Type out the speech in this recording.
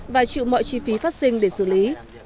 và chịu mọi chi phí phát sinh để xử lý